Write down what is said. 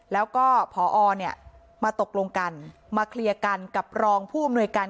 แล้วก็พอเนี่ยมาตกลงกันมาเคลียร์กันกับรองผู้อำนวยการ